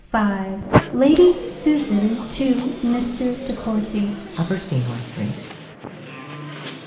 XXXV Lady Susan to Mr. De Courcy. Upper Seymour Street.